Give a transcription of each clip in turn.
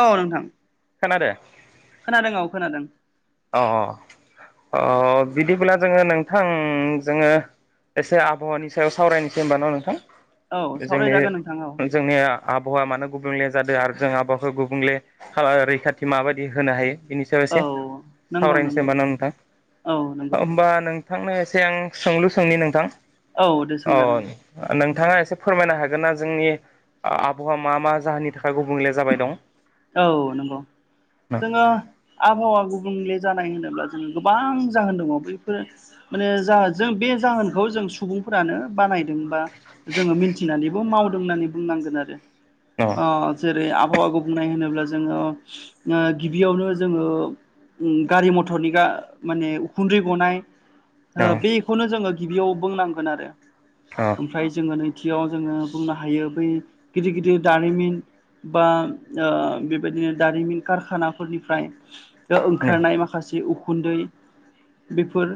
औ नोंथां। खोनादो। खोनादों औ खोनादों अ अ बिदिब्ला जोङो नोंथां जोङो एसे आबहावानि सायाव सावरायनोसै होनबान' नोंथां औ जोंनि सावरायजागोन नोंथां औ जोंनिया आबहावा मानो गुबुंले जादों आरो जों आबहावाखौ गुबुंले रैखाथि माबायदि होनो हायो बिनि सायाव औ एसे नंगौ सावरायनोसै नंगौ होम्बा ना नोंथां औ नंगौ होम्बा नोंथांनो एसे आं सोंलु सोंनि नोंथां औ दे सोंजागोन औ नोंथाङा एसे फोरमायनो हागोन ना जोंनि आबहावा मा मा जाहोननि थाखाय गुबुंले जाबाय दं औ नंगौ अ जोङो आबहावा गुबुंले जानाय होनोब्ला जों गोबां जाहोन दङ बेफोर माने जा जों बे जाहोनखौ जों सुबुं फोरानो बानायदों बा जोङो मिथिनानैबो मावदों होननानै बुंनांगोन आरो अ जेरै आबबाखौ। मानो होनोब्ला जोङो गिबियावनो जोङो उ गारि मथरनि गा माने उखुन्दै गनाय। अ बेखौनो जोङो गिबियाव बुंनांगोन आरो अ ओमफ्राय जोङो नै खाथियाव जोङो बुंनो हायो बै गिदिर गिदिर दारिमिन बा ओ बेबायदिनो दारिमिन कारखानाफोरनिफ्राय ओंखारनाय माखासे उ गुन्दै बेफोर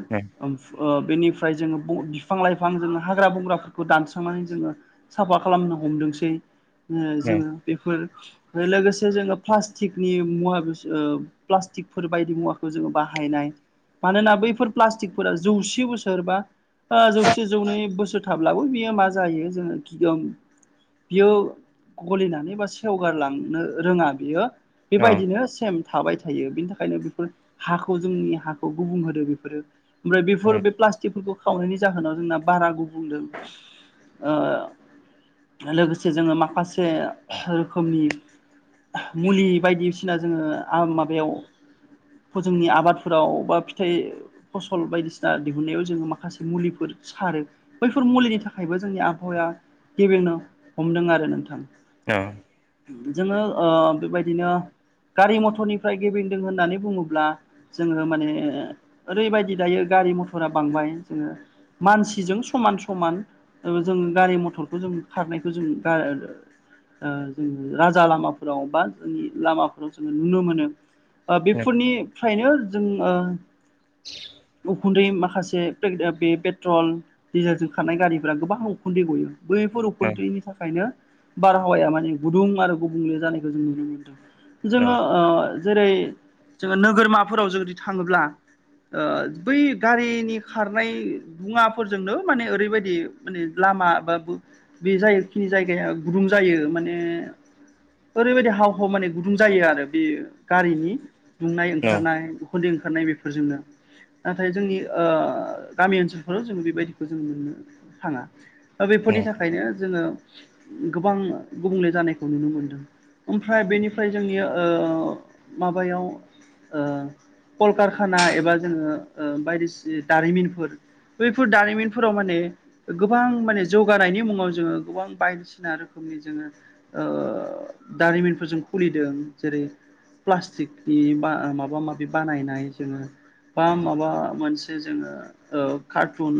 औ बेनिफ्राय जोङो बिफां लाइफां जोङो हाग्रा बंग्राफोरखौ दानस्रांनानै जोङो साफा खालामनो। हमदोंसै जोङो बेफोर। लोगोसे जोङो प्लास्टिकनि मुवा बेस प्लास्टिकफोर बायदि मुवाखौ जोङो बाहायनाय मानोना बैफोर प्लास्टिकफोरा जौसे बोसोरबा जौसे जौनै बोसोर थाब्लाबो बियो मा जायो जोङो गिदम बियो गलिनानै बा सेव फुआरलांनो रोङा बियो अ बेबायदिनो सेम। थाबाय थायो बेनि थाखायनो बेफोर हाखौ जोंनि हाखौ गुबुं होदो बेफोरो। ओमफ्राय बेफोर बे प्लास्टिकफोरखौ खावनायनि जाहोनाव जोंना बारा गुबुंदों लोगोसे जोङो माखासे रोखोमनि। मुलि बायदिसिना जोङो माबायाव जोंनि आबादफोराव बा फिथाइ फसल बायदिसिना दिहुननायाव जोङो माखासे मुलिफोर सारो बैफोर मुलिनि थाखायबो जोंनि आबहावाया गेबेंनो हमदों आरो नोंथां। औ। जोङो ओ बेबायदिनो गारि मथरनिफ्राय गेबें दों होननानै बुङोब्ला जोङो माने ओरैबायदि दायो गारि मथरा बांबाय जोङो। मानसिजों समान समान जोङो गारि मथरखौ जों खारनायखौ जों ओ उम राजा लामाफोराव बा जोंनि लामाफोराव जोङो नुनो मोनो बा औ बेफोरनि। बेनिखायनो जों ओ [inaudible] उखुन्दै माखासे बे पेट्रल डिजेलजों खारनाय गारिफोरा गोबां उखुन्दै गयो बैफोर उखुन्थ्रिनि थाखायनो बारहावाया माने गुदुं आरो गुबुंले जानायखौ जों नुनो मोनदों। जोङो ओ जेरै जोङो नोगोरमाफोराव जुदि थाङोब्ला। बै गारिनि खारनाय बुवाफोरजोंनो माने ओरैबायदि माने लामा बा बे जायोखिनि जायगाया। गुदुं जायो माने ओरैबायदि हाव अ माने गुदुं जायो आरो बे गारिनि दुंनाय ओंखारनाय उखन्दैओंखार। ओंखारनाय बेफोरजोंनो। नाथाय जोंनि ओ गामि ओनसोलफोराव जोङो बेबायदिखौ जों नुनो थाङा बेफोरनि थाखायनो जोङो गोबां गुबुंले जानाय। नुनो मोनदों ओमफ्राय बेनिफ्राय जोंनि ओ माबायाव। कलकारखाना एबा जोङो बायदिसिना दारिमिनफोर। बैफोर दारिमिनफोराव माने गोबां माने जौगानायनि मुङाव जोङो गोबां बायदिसिना रोखोम। जोङो दारिमिनफोरजों खुलिदों जेरै प्लास्टिकनि बा माबा माबि बानायनाय जोङो। बा माबा मोनसे जोङो कारटुन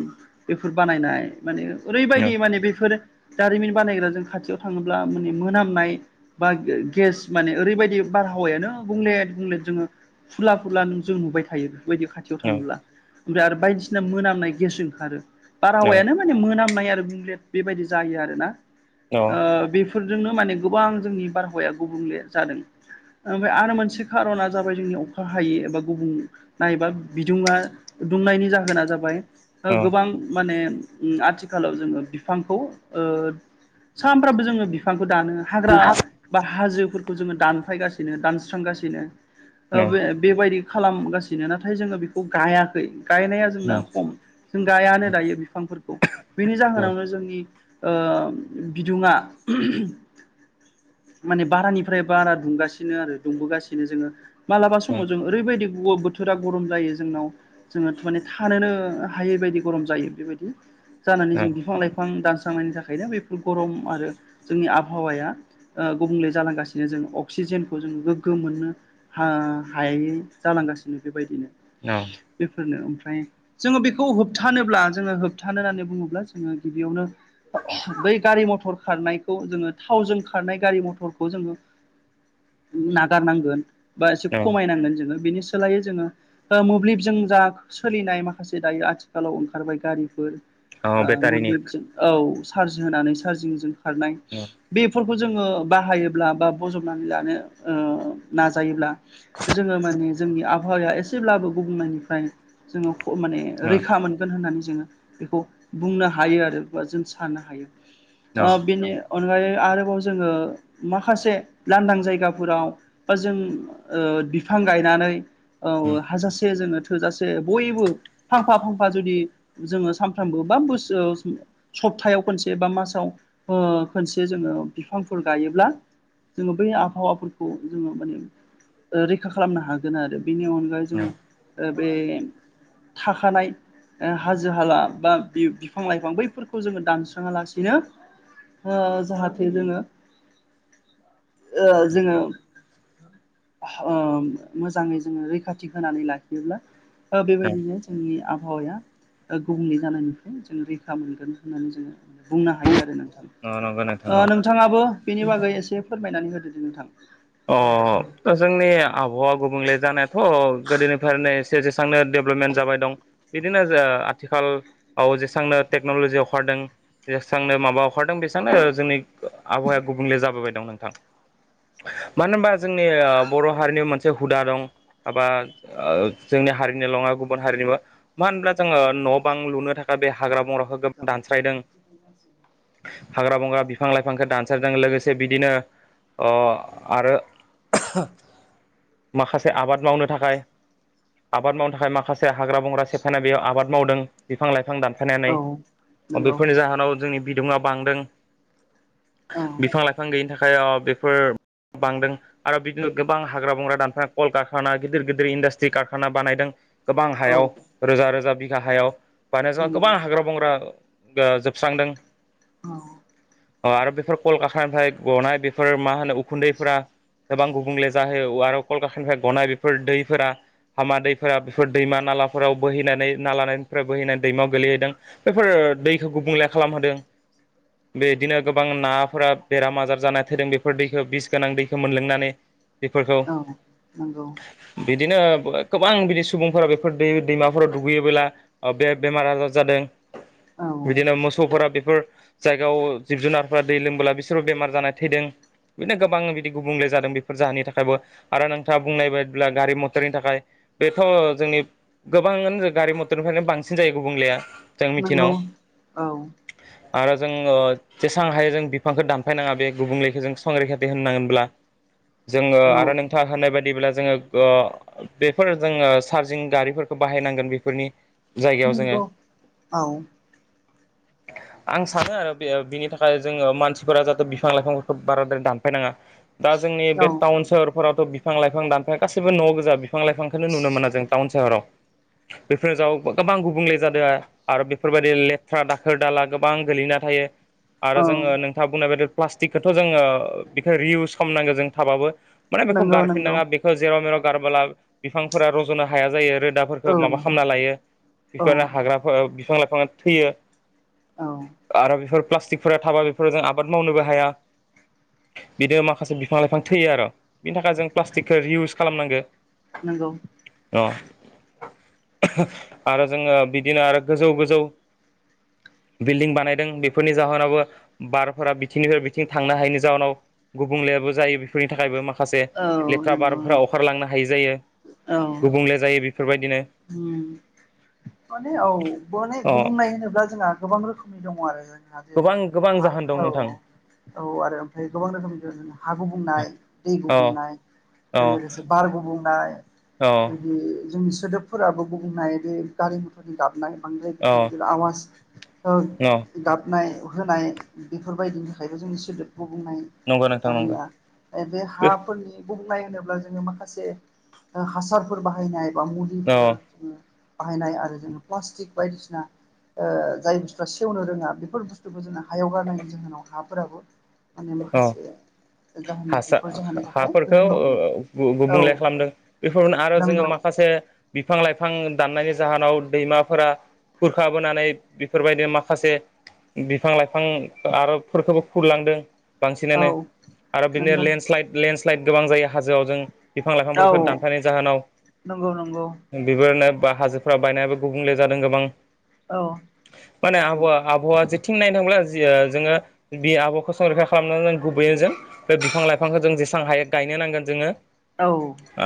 बेफोर बानायनाय माने ओरैबायदि माने बेफोर दारिमिन बानायग्रा जों खाथियाव थाङोब्ला माने मोनामनाय बा गेस माने ओरैबायदि बारहावायानो गुबुंले गुबुंले जोङो फुला फुला नों जों नुबाय थायो। बायदि खाथियाव थाङोब्ला ओमफ्राय आरो बायदिसिना मोनामनाय गेस ओंखारो बारहावायानो माने मोनामनाय आरो बिदिनो बेबादि जायो आरोना ओ बे जोंनो माने गोबां जोंनि बारहावाया गुबुंले जादों। ओमफ्राय आरो मोनसे खारना जाबाय जोंनि अखा हायै एबा गुबुं नायबा बिदुङा दुंनायनि जाहोना जाबाय। गोबां माने आथिखालाव जोङो बिफांखौ ओ सानफ्रामबो जोङो बिफांखौ दानो हाग्रा बा हाजोफोरखौ जोङो दानफायगासिनो दान सुस्रांगासिनो बे बेबायदि खालामगासिनो नाथाय जोङो बेखौ गायाखै। गायनाया जोंना खम जों गायानो दायो बिफांफोरखौ बेनि जाहोनावनो जोंनि ओ बिदुङा उहह माने बारानिफ्राय बारा दुंगासिनो आरो दुंबोगासिनो जोङो मालाबा समाव जों ओरैबायदि बोथोरा गरम जायो जोंनाव जोङो थानोनो हायै बायदि गरम जायो बेबायदि जानानै जों बिफां लाइफां दानस्रांनायनि थाखायनो बेफोर गरम आरो जोंनि आबहावाया गुबुंले जालांगासिनो जों अक्सिजेनखौ जों गोग्गो मोननो ओ हायै जालांगासिनो बेबायदिनो बेफोरनो ओमफ्राय जोङो बेखौ होबथानोब्ला जोङो होबथानो होननानै बुङोब्ला जोङो गिबियावनो बै गारि मथर खारनाय खौ जोङो थावजों खारनाय गारि मथरखौ जोङो नागारनांगोन बा एसे खमायनांगोन जोङो बेनि- सोलायो जोङो मोब्लिबजों जा सोलिनाय माखासे दायो आथिखालाव ओंखारबाय गारिफोर बेटारिनि मोबब औ चार्ज होनानै चार्जिंजों खारनाय बे खौ जोङो बाहायोब्ला बा बजबनानै लानो नाजायोब्ला जोङो माने जोंनि आबहावाया एसेब्लाबो गुबुंनायनिफ्राय जोङो माने औ रैखा मोनगोन होन्नानै जोङो बेखौ बुंनो हायो आरो बा जों सानो हायो ओ न। बेनि अनगायै आरोबाव जोङो माखासे लांदां जायगाफोराव बा जों बिफां गायनानै ओ हाजासे जोङो थोजासे बयबो फांफा फांफा जुदि जोङो सानफ्रबो बा बोसोर सप्तायाव खनसे बा मासाव खनसे जोङो बिफांफोर गायोब्ला जोङो बै आबहावाफोरखौ जोङो माने रैखा खालामनो हागोन आरो। बेनि अनगायै जोङो बे थाखानाय हाजो हाला बा बिफां लाइफां बैफोरखौ जोङो दानस्राङा लासिनो जाहाथे जोङो ओ जोङो ओ मोजाङै जोङो रैखाथि होनानै लाखियोब्ला बेबायदिनो जोंनि आबहावाया गुबुंले जानायनिफ्राय जों रैखा मोनगोन होननानै जोङो बुंनो हायो आरो। नोंथां। नोंथां नोंथाङाबो बेनि बागै एसे फोरमायनानै होदोदिे नोंथां। अ जोंनि आबहावा गुबुंले जानायाथ' गोदोनिफ्रायनो जेसांनो डेभेलपमेन्ट जाबाय दं बिदिनो आथिखालाव जेसांनो टेक्न'लजियाव ओंखारदों जेसेबांनो माबा ओंखारदों बेसेबांनो जोंनि आबहावाया गुबुंले जाबोबाय दं नोंथां। मानो होनबा जोंनि बर' हारिनि मोनसे हुदा दं। ऐसा जोंनि हारिनि' नङा गुबुन हारिनिबो मानो होनब्ला जोंङो न' बां लुनो थाखाय बे हाग्रा बंग्राखौ दानस्रायदों हाग्रा बंग्रा बिफां लाइफांखौ दानसारजों लोगोसे बिदिनो अ आरो माखासे आबाद मावनो थाखाय आबाद मावनो थाखाय माखासे हाग्रा बंग्रा सेफायनाय बेयाव आबाद मावदों बिफां लाइफां दान खनानै औ नंगौ बेफोरनि जाहोनाव जोंनि बिदुङा बांदों औ बिफां लाइफां गैयिनि थाखाय बेफोर बांदों आरो बिदिनो गोबां हाग्रा बंग्रा दानफ्रा कल कारखाना गिदिर गिदिर इन्डास्ट्रि कारखाना बानायदों गोबां औ हायाव रोजा रोजा बिघा हायाव बानो जोंहा गोबां नंगौ हाग्रा बंग्रा जोबस्रांदों औ अ आरो बेफोर कलकातानिफ्राय गनाय बेफोर मा होनो उखुन्दैफोरा गोबां गुबुंले जाहयो अवार'कनफोरनिफ्राय गनाय बेफोर दैफ्रा हामा दैफोरा बेफोर दैमा नालाफोराव बोहैनानै ना लानायनिफ्राय बोहैनानै दैमायाव गोलैहैदों बेफोर दैखौ गुबुंले खालामहोदों बेदिनो गोबां नाफोरा बेराम आजार जानाय थैदों बेफोर दै बिस गोनां दैखौ मोनलोंनानै बेफोरखौ औ नंगौ बे बिदिनो गोबां बिदि सुबुंफोरा बेफोर दैमाफोराव दुगैयोबोला बे बेमार आजार जादों औ बिदिनो मोसौफोरा फोर जायगायाव जिब जुनारफोरा दै लोंबोला बिसोरबो बेमार जानाय थैदों। बिदिनो गोबां बिदि गुबुंले जादों बेफोर जाहोननि थाखायबो आरो नोंथाङा बुंनाय बायदिब्ला गारि मटरनि थाखाय बेथ' जोंनि गोबाङानो गारि मथरनिफ्रायनो बांसिन जायो गुबुंलाया। नंगौ औ आरो जों ओ जेसां हायो जों बिफांखौ दानफायनाङा बे गुबुंलेखौ जों रैखाथि होननांगोनब्ला जोंङो औ आरो नोंथाङा होनाय बायदि बदिब्ला जोंङो बेफोर जोंङो चार्जिं गारिफोरखौ बाहायनांगोन बेफोरनि जायगायाव जोङो नंगौ औ आं सानो आरो बिनि थाखाय जोंङो मानसिफोरा जाहाथे बिफां लाइफांफोरखौ बाराद्राय दानफायनाङा दा जोंनि बे औ टाउन सोहरफोरावथ' बिफां लाइफां दानफाया गासिबो न' गोजा बि बिफां लाइफांखौनो नुनो मोना जों टाउन सहराव बेफोर ज गोबां गुबुंले जादों आरो बेफोरबायदि लेथ्रा दाखोर दाला गोबां गोलैना थायो आरो औ जोंङो नोंथाङा बुंनाय बायदि प्लास्टिकोनि खोथा थ' जोंङो बेखौ रिउस खालामनांगौ जों थाबाबो माने बेखौ नंगौ नंगौ गारफिननाङा बेखौ जेराव मेराव गारबोला बिफांफोरा रज'नो हाया जायो। हदाफोरखौ माबा औ खालामना लायो औ बेफोरनो हाग्रा बिफां लाइफांआ थैयो। आरो बेफोर प्लास्टिकफोरा थाबा बेफोराव जों आबाद मावनोबो हाया बिदि माखासे बिफां लाइफां थैयो आरो बिनि थाखाय जों प्लास्टिकखौ इउस खालामनांगौ नंगौ अ आरो जोंङो बिदिनो आरो गोजौ गोजौ बिल्डिं बानायदों बेफोरनि जाहोनावबो बारफोरा बिथिंनिफ्राय बिथिं थांनो हायैनि जाउोनाव गुबुंलेबो जायो बेफोरनि थाखायबो माखासे औ लेथ्रा नंगौ बारफोरा अखारलांनो हा थायो जायो औ गुबुंले जायो बेफोरबायदिनो उम माने औ माने अ गुबुंनाय होनोब्ला जोंहा गोबां रोखोमनि दङ आरो जोंहा जेरै गोबां गोबां हा जाहोन दं औ नोंथां औ आरो ओमफ्राय गोबां रोखोमनि हा गुबुंनाय दै अ गुबुंनाय अ आरो लोगोसे बारग' बुंनाय अ बिदि जोंनि सोदोबफोराबो बुंनोनाय बे गारि मथरनि अ गाबनाय आवासखो गाबनाय होनाय बेफोरबायदिनि थाखायबो जोंनि सोदोब गुबुंनाय नंगौ नोंथां नंगौ जाहोना एबे हाफोरनि बुंनाय होनोब्ला जोङो माखासे हासारफोर बाहायनाय बा अ मुलिफोर जोङो बाहायनाय आरो जोङो प्लास्टिक बायदिसिना ओ जाय बुस्थुरा सेवनो रोङा बेफोर बुस्थुखौ जों हायाव गारनायनि जाहोनाव हाफोराबो माने अ माखासे जाहोननि हासा बेफोर जाहोननि थाखाय हाफोरखौ गुबुंनो हमदों औ गुबुंले खालामदों बेफोरनो आरो जोङो नंगौ माखासे से बिफां लाइफां दाननायनि जाहोनाव दैमाफोरा खुरखाबोनानै बेफोरबायदि माखासे बिफां लाइफां आरो फोरखौबो खुरलांदों बांसिनानो औ आरो बिदिनो नंगौ लेन्डस्लाइड लेन्डस्लाइद गोबां जायो हाजोआव जों बिफां औ लाइफांफोरखौ दानफायनाय जाहोनाव नंगौ नंगौ बेफोरनो बा हाजोफ्रा बायनायाबो गुबुंले जादों गोबां औ माने आबहावा आबहावा जेथिं नायनो थांब्ला जोङो बे आबहावाखौ संरैखा खालामनानै जों गुबै जों बे बिफां लाइफांखौ जों जेसां हायो गायनो नांगोन जोङो औ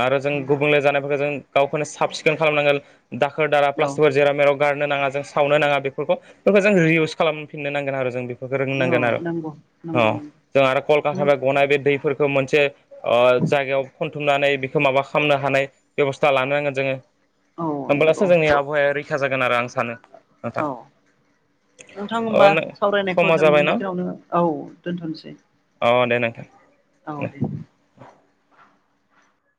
आरो जों गुबुंले जानायफोरखौ जों गावखौनो साब सिखोन खालामनांगोन। दाखोर दाला औ प्लास्टिकफोर जेराव मेराव गारनो नाङा जों सावनो नाङा बेफोरखौ बेफोरखौ जों रि इउस खालामफिननो नांगोन आरो जों बि रोंनांगोन आरो नंगौ नंगौ अ नंगौ जों आरो कलकारखाना बे गनाय बे दैफोरखौ मोनसे ओ जायगायाव खनथुमनानै बेखौ माबा खालामनो हानाय बेब'स्था लानो नांगोन जोङो औ होमबोब्लासो नंगौ जोंनि आबहावाया रैखा जागोन आरो आं सानो नोंथां। औ नोंथां होमबा अ सावरायनायखौ समा जों जाबाय न बिखिनिआवनो औ दोनथ'नोसै अ दे नोंथां। औ दे